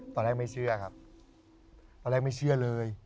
ตอนแรกไม่เชื่อครับตอนแรกไม่เชื่อเลย